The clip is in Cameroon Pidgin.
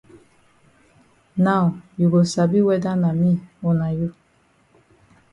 Now you go sabi whether na me o na you.